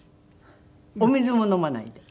お水も飲まないで。